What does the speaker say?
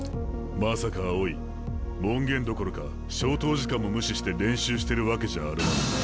まさか青井門限どころか消灯時間も無視して練習してるわけじゃあるまいな。